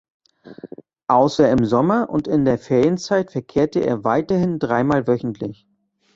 Außer im Sommer und in der Ferienzeit verkehrte er weiterhin dreimal wöchentlich.